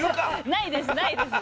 ないですないです。